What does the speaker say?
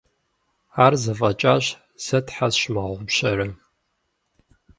Ар зэфӏэкӏащ, зэ тхьэ сщымыгъупщэрэ?